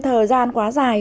thời gian quá dài